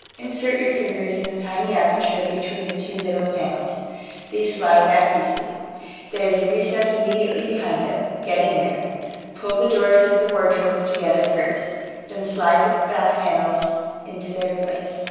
Insert your fingers in the tiny aperture between the two middle panels. These slide back easily: there is a recess immediately behind them. Get in there; pull the doors of the wardrobe together first, then slide the back panels into their place.